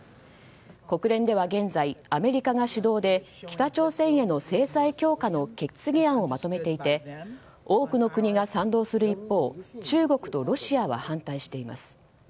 国連では現在、アメリカが主導で北朝鮮への制裁強化の決議案をまとめていて多くの国が賛同する一方中国とロシアは反対しています。